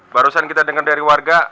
barusan kita dengar dari warga